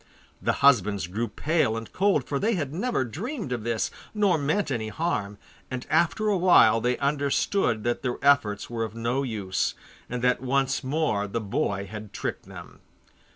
The husbands grew pale and cold, for they had never dreamed of this, nor meant any harm, and after a while they understood that their efforts were of no use, and that once more the boy had tricked them.